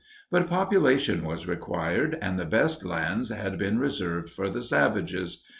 But population was required, and the best lands had been reserved for the savages.